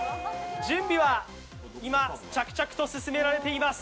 準備は今着々と進められています。